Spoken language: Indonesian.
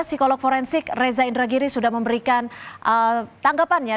psikolog forensik reza indragiri sudah memberikan tanggapannya